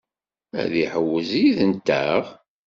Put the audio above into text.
Ad iḥewwes yid-nteɣ?